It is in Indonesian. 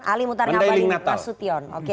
alimu tarnabalin nasution